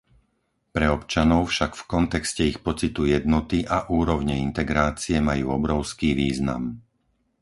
Pre občanov však v kontexte ich pocitu jednoty a úrovne integrácie majú obrovský význam.